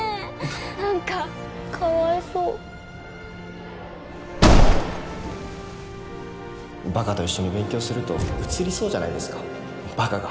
何かかわいそうバカと一緒に勉強するとうつりそうじゃないですかバカが